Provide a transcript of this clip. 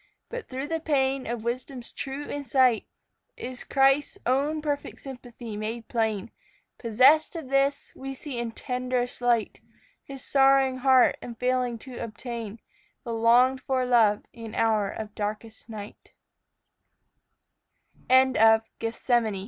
But through the pain of wisdom's true insight Is Christ's own perfect sympathy made plain. Possessed of this, we see in tenderest light His sorrowing heart in failing to obtain The longed for love in hour of darkest night. ON LAKE MEMPHREMAGOG.